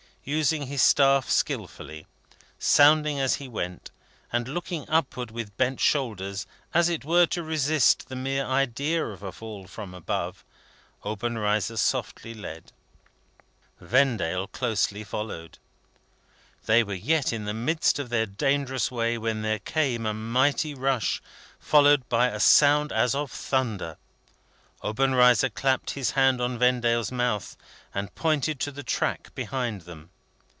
Using his staff skilfully, sounding as he went, and looking upward, with bent shoulders, as it were to resist the mere idea of a fall from above, Obenreizer softly led. Vendale closely followed. They were yet in the midst of their dangerous way, when there came a mighty rush, followed by a sound as of thunder. Obenreizer clapped his hand on Vendale's mouth and pointed to the track behind them.